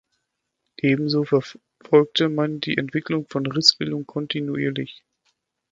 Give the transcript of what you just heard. Ebenso verfolgte man die Entwicklung von Rissbildung kontinuierlich.